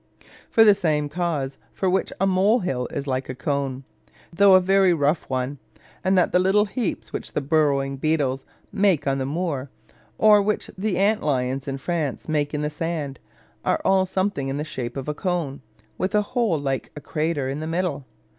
For the same cause for which a molehill is like a cone, though a very rough one; and that the little heaps which the burrowing beetles make on the moor, or which the ant lions in France make in the sand, are all something in the shape of a cone, with a hole like a crater in the middle.